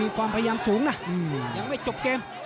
หรือว่าผู้สุดท้ายมีสิงคลอยวิทยาหมูสะพานใหม่